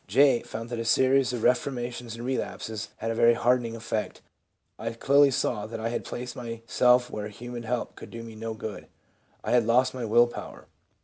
J. found that a series of refor mations and relapses "had a very hardening effect." "I saw clearly that I had placed myself where human help could do me no good. I had lost my will power.